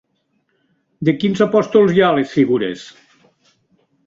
De quins apòstols hi ha les figures?